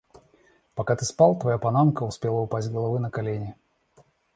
Пока ты спал, твоя панамка успела упасть с головы на колени.